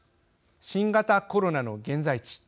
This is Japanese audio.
新型コロナの現在地